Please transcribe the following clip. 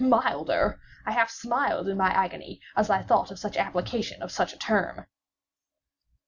Milder! I half smiled in my agony as I thought of such application of such a term.